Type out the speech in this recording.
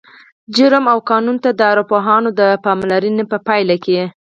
جرم او قانون ته د ارواپوهانو د پاملرنې په پایله کې